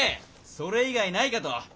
それ以外ないかと。